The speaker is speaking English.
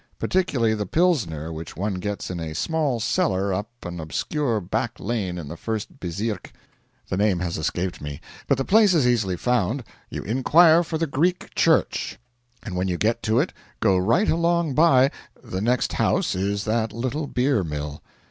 Particularly the Pilsner which one gets in a small cellar up an obscure back lane in the First Bezirk the name has escaped me, but the place is easily found: You inquire for the Greek church; and when you get to it, go right along by the next house is that little beer mill.